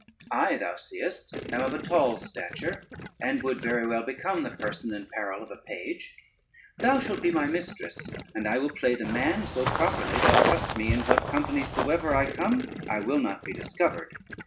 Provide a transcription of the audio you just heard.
I, thou seest, am of a tall stature, and would very well become the person and apparel of a page; thou shalt be my mistress, and I will play the man so properly, that, trust me, in what company soever I come I will not be discovered.